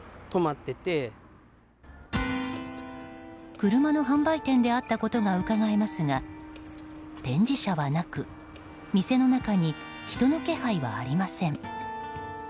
車の販売店であったことがうかがえますが展示車はなく店の中に人の気配はありません。